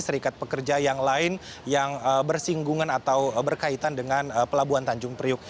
serikat pekerja yang lain yang bersinggungan atau berkaitan dengan pelabuhan tanjung priuk